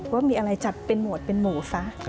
ว่ามีอะไรจัดเป็นหวดเป็นหมู่ซะ